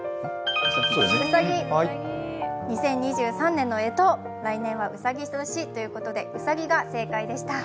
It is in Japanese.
２０２３年の干支、来年はうさぎ年ということで、ウサギが正解でした。